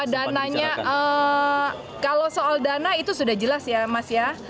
dananya kalau soal dana itu sudah jelas ya mas ya